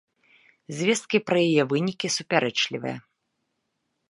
Звесткі пра яе вынікі супярэчлівыя.